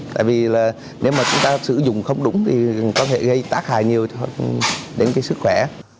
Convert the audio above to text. tại vì là nếu mà chúng ta sử dụng không đúng thì có thể gây tác hại nhiều đến cái sức khỏe